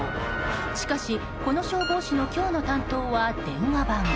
しかし、この消防士の今日の担当は電話番。